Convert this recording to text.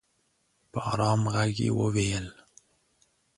په ارام ږغ یې وویل